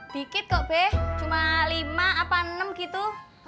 bikit kok be cuma lima apa enam gitu